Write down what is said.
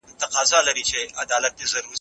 زه به سبا سندري اورم وم؟